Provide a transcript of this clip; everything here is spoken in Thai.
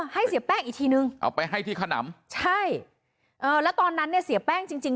เสียแป้งอีกทีนึงเอาไปให้ที่ขนำใช่เออแล้วตอนนั้นเนี่ยเสียแป้งจริงจริง